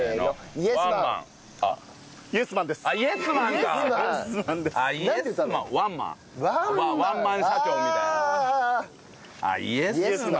イエスマン。